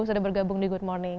sudah bergabung di good morning